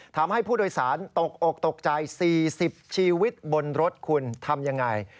ทำให้ผู้โดยสารตกอกตกใจ๔๐ชีวิตบนรถคุณทำยังไง